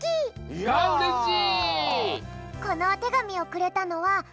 いやうれしい！